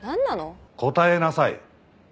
答えなさい！